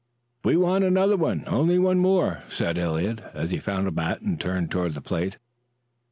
"We want another one only one more," said Eliot, as he found a bat and turned toward the plate.